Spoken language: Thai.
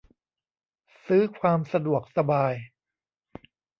ซื้อความสะดวกสบาย